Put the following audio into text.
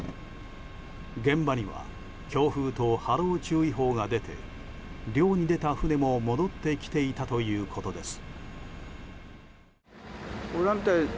現場には強風と波浪注意報が出て漁に出た船も戻ってきていたということです。